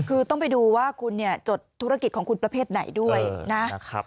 คือต้องไปดูว่าคุณเนี่ยจดธุรกิจของคุณประเภทไหนด้วยนะครับ